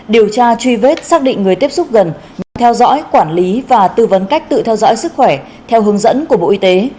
điều tra truy vết xác định người tiếp xúc gần nhằm theo dõi quản lý và tư vấn cách tự theo dõi sức khỏe theo hướng dẫn của bộ y tế